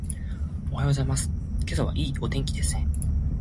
おはようございます。今朝はいいお天気ですね。